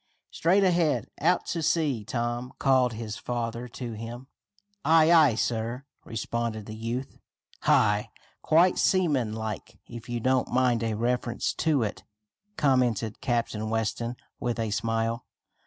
"Straight ahead, out to sea, Tom," called his father to him. "Aye, aye, sir," responded the youth. "Ha! Quite seaman like, if you don't mind a reference to it," commented Captain Weston with a smile.